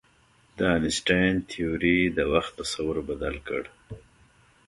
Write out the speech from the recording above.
د انیشتین تیوري د وخت تصور بدل کړ.